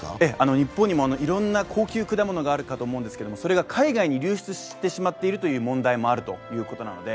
日本にはにもいろんな高級果物があると思うんですけどそれが海外に流出してしまっている問題もあるということです。